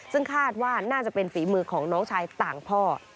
ซึ่งคาดว่าน่าจะเป็นฝีมือของน้องชายต่างพ่อ